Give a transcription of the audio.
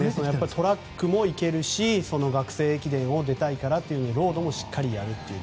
トラックもいけるし学生駅伝を出たいからとロードもしっかりやるという。